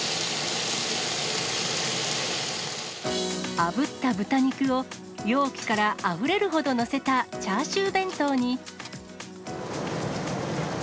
あぶった豚肉を容器からあふれるほど載せたチャーシュー弁当に。